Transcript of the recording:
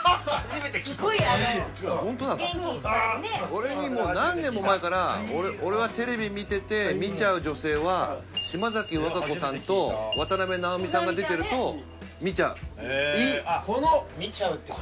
俺にもう何年も前から「俺がテレビ見てて見ちゃう女性は島崎和歌子さんと渡辺直美さんが出てると見ちゃう。いい」へ。